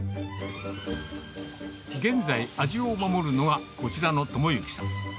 現在、味を守るのはこちらの知之さん。